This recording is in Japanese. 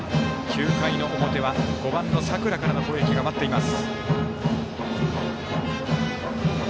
９回の表は５番の佐倉からの攻撃が待っています。